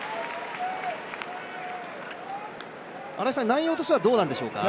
内容としては、どうなんでしょうか